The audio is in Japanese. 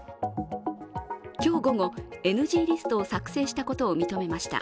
今日午後、ＮＧリストを作成したことを認めました。